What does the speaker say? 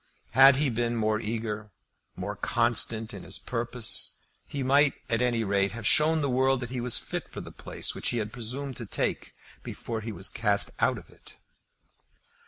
Had he been more eager, more constant in his purpose, he might at any rate have shown the world that he was fit for the place which he had presumed to take before he was cast out of it.